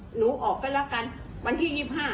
หนูออกไปแล้วกันวันที่๒๕